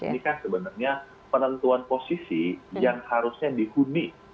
ini kan sebenarnya penentuan posisi yang harusnya dihuni